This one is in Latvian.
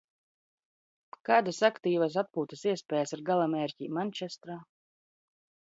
Kādas aktīvās atpūtas iespējas ir galamērķī Mančestra?